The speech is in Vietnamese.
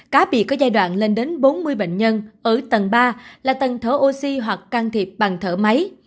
cá biệt có giai đoạn lên đến bốn mươi bệnh nhân ở tầng ba là tầng thở oxy hoặc can thiệp bằng thở máy